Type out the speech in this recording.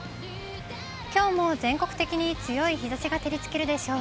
きょうも全国的に強い日ざしが照りつけるでしょう。